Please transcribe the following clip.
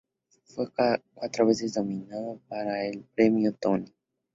Fue cuatro veces nominado para el Premio Tony.